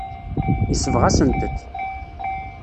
Yesbeɣ-asent-t.